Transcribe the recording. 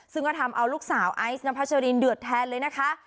ซึ่งก็ทำเอาลูกสาวไอซ์นพัชรินเดือดแทนเลยนะคะ